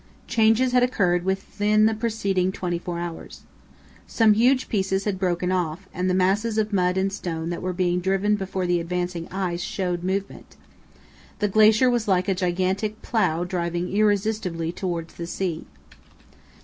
Changes had occurred within the preceding twenty four hours. Some huge pieces had broken off, and the masses of mud and stone that were being driven before the advancing ice showed movement. The glacier was like a gigantic plough driving irresistibly towards the sea.